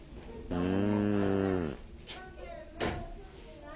うん。